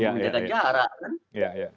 menjaga jarak kan